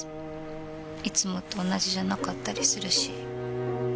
いつもと同じじゃなかったりするし。